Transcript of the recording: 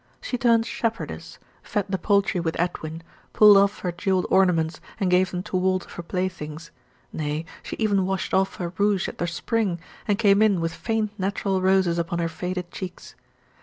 She turned "shepherdess," fed the poultry with Edwin, pulled off her jewelled ornaments, and gave them to Walter for playthings; nay, she even washed off her rouge at the spring, and came in with faint natural roses upon her faded cheeks.